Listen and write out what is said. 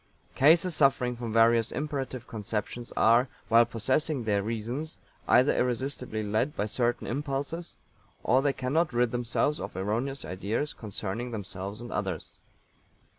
"Cases suffering from various imperative conceptions are, while possessing their reasons, either irresistibly led by certain impulses or they cannot rid themselves of erroneous ideas concerning themselves and others."